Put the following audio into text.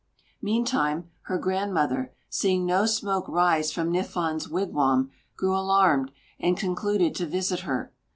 Meantime her grandmother, seeing no smoke rise from Niffon's wigwam, grew alarmed and concluded to visit her.